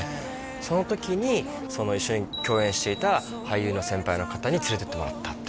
その時に一緒に共演していた俳優の先輩の方に連れていってもらった